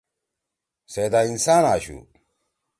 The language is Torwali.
سے دا انسان آشُو۔